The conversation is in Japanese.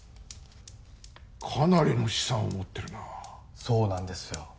かなりの資産を持ってるなそうなんですよ